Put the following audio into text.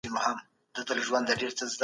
دا ناول شايد د مفرور په نوم و.